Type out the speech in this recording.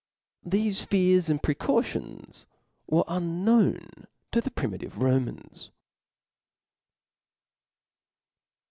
(') inftt Thefe fears and precautions were, unknown to the S/i|pf7.' primitive Romans.